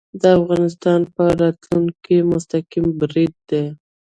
د افغانستان په راتلونکې مستقیم برید دی